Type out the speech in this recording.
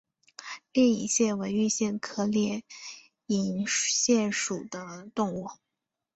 裂隐蟹为玉蟹科裂隐蟹属的动物。